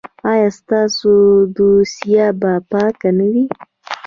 ایا ستاسو دوسیه به پاکه نه وي؟